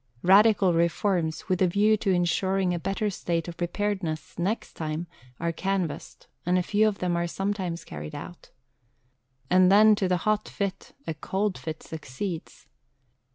Radical reforms, with a view to ensuring a better state of preparedness next time, are canvassed, and a few of them are sometimes carried out. And then to the hot fit, a cold fit succeeds.